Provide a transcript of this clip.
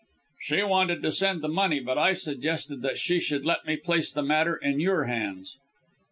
"She wanted to send the money, but I suggested that she should let me place the matter in your hands."